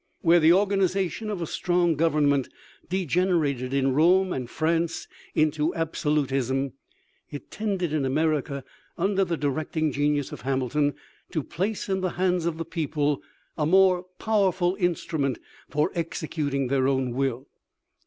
Where the organization of a strong government degenerated in Rome and France into absolutism, it tended in America, under the directing genius of Hamilton, to place in the hands of the people a more powerful instrument for executing their own will.